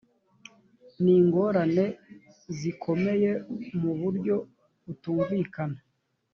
n ingorane zikomeye mu buryo butumvikana